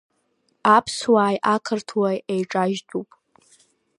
Аԥсуааи ақырҭқәеи еиҿажьтәуп.